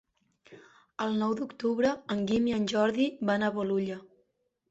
El nou d'octubre en Guim i en Jordi van a Bolulla.